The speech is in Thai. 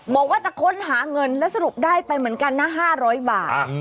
บอกว่าจะค้นหาเงินแล้วสรุปได้ไปเหมือนกันนะ๕๐๐บาท